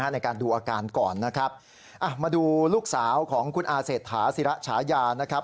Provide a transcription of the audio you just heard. ในการดูอาการก่อนนะครับมาดูลูกสาวของคุณอาเศรษฐาศิระฉายานะครับ